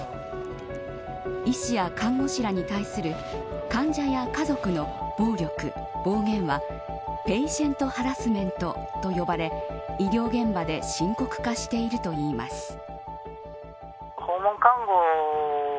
医師や看護師らに対する患者や家族の暴力、暴言はペイシェント・ハラスメントと呼ばれ医療現場で深刻化しているといいます。